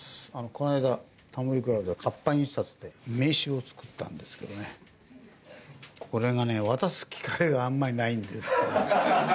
この間『タモリ倶楽部』で活版印刷で名刺を作ったんですけどねこれがね渡す機会があんまりないんです。